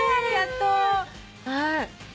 はい。